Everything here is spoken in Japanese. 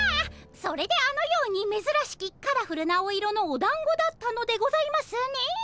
それであのようにめずらしきカラフルなお色のおだんごだったのでございますね。